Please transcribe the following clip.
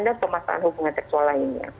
dan pemasangan hubungan seksual lainnya